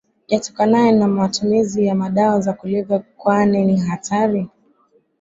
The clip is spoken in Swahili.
yatokanayo na matumizi ya madawa ya kulevya kwani ni hatari